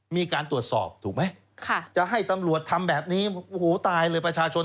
มีการตรวจสอบถูกไหมจะให้ตำรวจทำแบบนี้โอ้โหตายเลยประชาชน